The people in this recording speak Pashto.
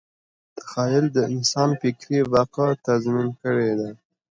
تخیل د انسان فکري بقا تضمین کړې ده.